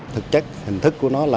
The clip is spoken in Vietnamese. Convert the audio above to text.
thực chất hình thức của nó là